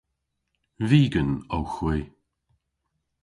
Vegan owgh hwi.